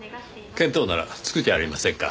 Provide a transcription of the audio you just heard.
見当ならつくじゃありませんか。